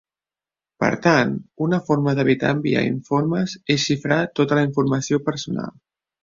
Per tant, una forma d'evitar enviar informes és xifrar tota la informació personal.